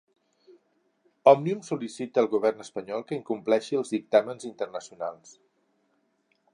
Òmnium sol·licita al govern espanyol que incompleixi els dictàmens internacionals